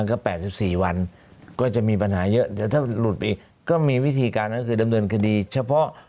ก็๘๔วันก็จะมีปัญหาเยอะแต่ถ้าหลุดไปอีกก็มีวิธีการก็คือดำเนินคดีเฉพาะ